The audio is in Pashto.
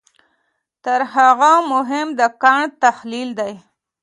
تر هغه مهم د کانټ تحلیل دی.